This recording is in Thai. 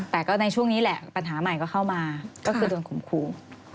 แต่ก็ในช่วงนี้แหละปัญหาใหม่ก็เข้ามาก็คือโดนข่มขู่